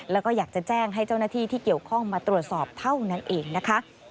แล้วก็อยากจะแจ้งให้เจ้าหน้าที่ที่เกี่ยวข้องมาตรวจสอบเท่านั้นเองนะคะ